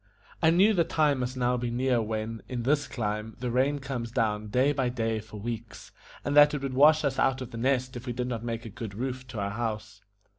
I knew the time must now be near when, in this clime, the rain comes down day by day for weeks, and that it would wash us out of The Nest if we did not make a good roof to our house.